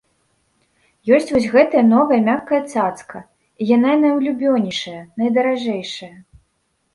Ёсць вось гэтая новая мяккая цацка і яна найулюбёнейшая, найдаражэйшая.